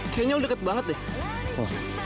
kayaknya udah deket banget deh